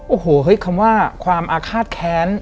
โอ้โหเฮ้ยคำว่าความอาฆาตแค้น